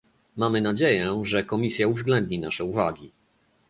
Mamy nadzieję, że Komisja uwzględni nasze uwagi